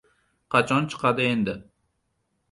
Qachon chiqadi endi?